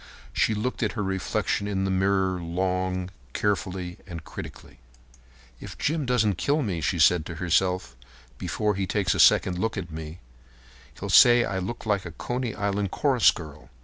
She looked at her reflection in the mirror long, carefully, and critically. "If Jim doesn't kill me," she said to herself, "before he takes a second look at me, he'll say I look like a Coney Island chorus girl.